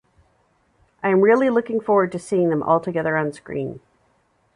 I am really looking forward to seeing them all together on screen.